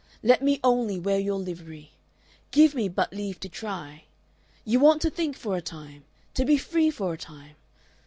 Let me only wear your livery. Give me but leave to try. You want to think for a time, to be free for a time.